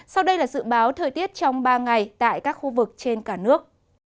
sau đây là dự báo thời tiết trong ba ngày tại các khu vực trên cả nước